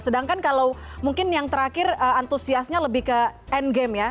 sedangkan kalau mungkin yang terakhir antusiasnya lebih ke end game ya